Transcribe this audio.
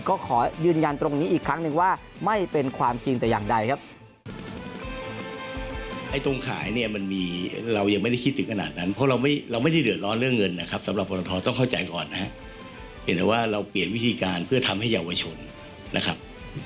ก็ขอยืนยันตรงนี้อีกครั้งหนึ่งว่าไม่เป็นความจริงแต่อย่างใดครับ